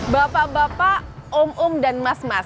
bapak bapak om om dan mas mas